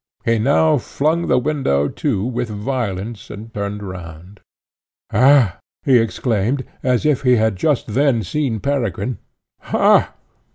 He now flung the window to with violence, and turned round. "Ha!" he exclaimed as if he had just then seen Peregrine "ha!